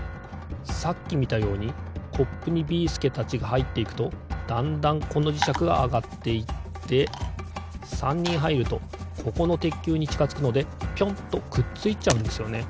さっきみたようにコップにビーすけたちがはいっていくとだんだんこのじしゃくがあがっていって３にんはいるとここのてっきゅうにちかづくのでピョンとくっついちゃうんですよね。